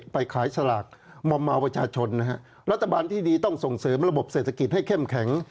ไปขายสลากมอมเมาประชาชนนะฮะรัฐบาลที่ดีต้องส่งเสริมระบบเศรษฐกิจให้เข้มแข็ง